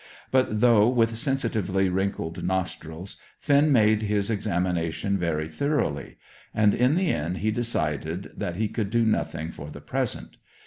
But, though with sensitively wrinkled nostrils, Finn made his examination very thoroughly. And in the end he decided that he could do nothing for the present.